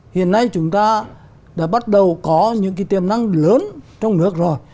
hiện nay chúng ta đã bắt đầu có những cái tiềm năng lớn trong nước rồi